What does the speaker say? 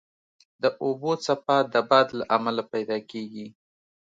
د اوبو څپه د باد له امله پیدا کېږي.